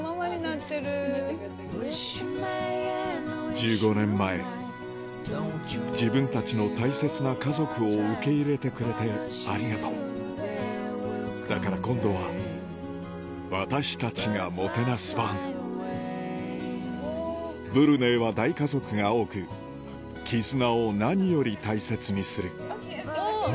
１５年前自分たちの大切な家族を受け入れてくれてありがとうだから今度は私たちがもてなす番ブルネイは大家族が多く絆を何より大切にする何？